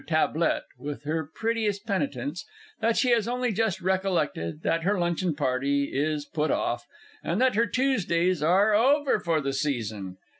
TABLETT, _with her prettiest penitence, that she has only just recollected that her luncheon party is put off, and that her Tuesdays are over for the Season.